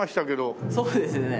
そうですね。